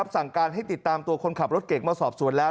สั่งการให้ติดตามตัวคนขับรถเก่งมาสอบสวนแล้ว